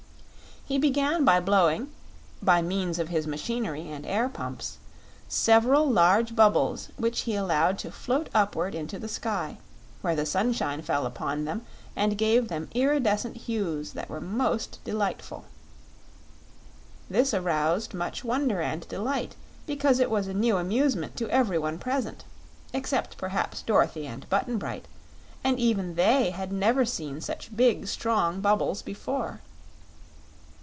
He began by blowing by means of his machinery and air pumps several large bubbles which he allowed to float upward into the sky, where the sunshine fell upon them and gave them iridescent hues that were most beautiful. This aroused much wonder and delight because it was a new amusement to every one present except perhaps Dorothy and Button Bright, and even they had never seen such big, strong bubbles before.